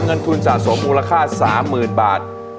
เงินทุนสะสมมูลค่า๓๐๐๐บาท